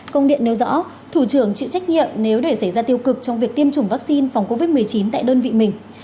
công điện nêu rõ thủ trưởng chịu trách nhiệm nếu để xảy ra tiêu cực trong việc tiêm chủng vaccine phòng covid một mươi chín tại đơn vị mình